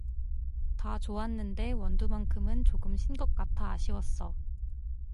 다 좋았는데 원두만큼은 조금 신 것 같아 아쉬웠어.